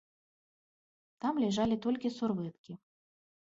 Там ляжалі толькі сурвэткі.